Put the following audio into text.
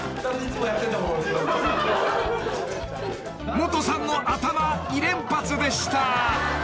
［モトさんの頭２連発でした］